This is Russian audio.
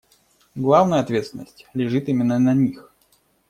Главная ответственность лежит именно на них.